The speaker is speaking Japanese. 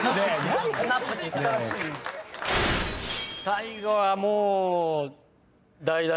最後はもう。